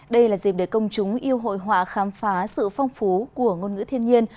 đây là dịp để công chúng yêu hội họa khám phá sự phong phú của ngôn ngữ thiên nhiên